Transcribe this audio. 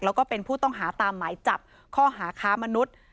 แล้วก็เป็นผู้ต้องหาตามหมายจับข้อหาค้ามนุษย์